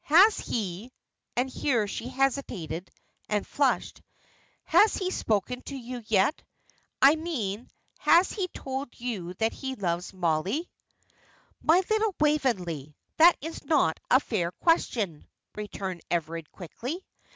Has he" and here she hesitated, and flushed "has he spoken to you yet? I mean, has he told you that he loves Mollie?" "My little Waveney, that is not a fair question," returned Everard, quickly.